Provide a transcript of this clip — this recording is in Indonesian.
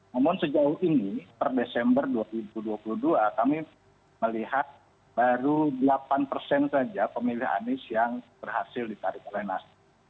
namun sejauh ini per desember dua ribu dua puluh dua kami melihat baru delapan persen saja pemilih anies yang berhasil ditarik oleh nasdem